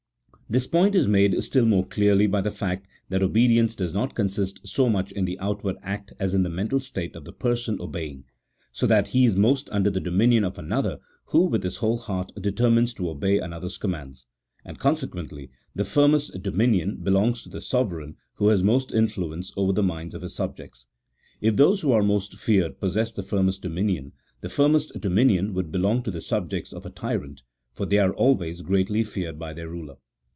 This point is made still more clear by the fact that obe dience does not consist so much in the outward act as in the mental state of the person obeying ; so that he is most under the dominion of another who with his whole heart determines to obey another's commands ; and consequently the firmest dominion belongs to the sovereign who has most influence over the minds of his subjects ; if those who are most feared possessed the firmest dominion, the firmest dominion would belong to the subjects of a tyrant, for they are always greatly feared by their ruler.